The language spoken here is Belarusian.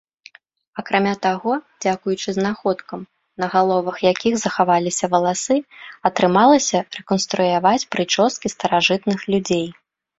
Акрамя таго, дзякуючы знаходкам, на галовах якіх захаваліся валасы, атрымалася рэканструяваць прычоскі старажытных людзей.